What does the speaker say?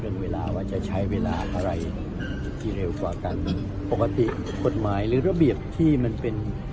เวลาว่าจะใช้เวลาอะไรที่เร็วกว่ากันปกติกฎหมายหรือระเบียบที่มันเป็น